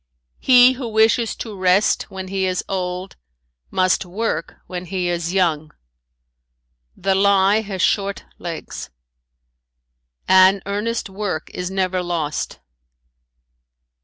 "He who wishes to rest when he is old must work when he is young. "The lie has short legs. "An earnest work is never lost.